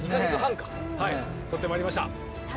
撮ってまいりました。